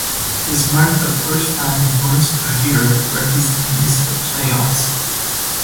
This marked the first time in Burns' career where his team missed the playoffs.